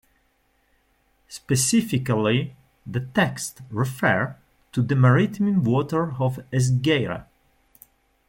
Specifically, the texts refer to the maritime waters of Esgueira.